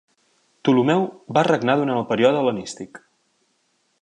Ptolemeu va regnar durant el període hel·lenístic.